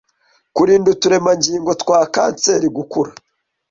kurinda uturemangingo twa kanseri gukura,